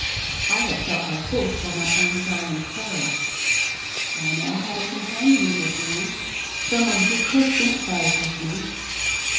I had felt like this for my own darling Clara. I had now a companion in misery — some one who could sympathise with me.